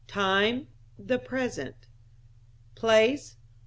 Time.... The Present. Place....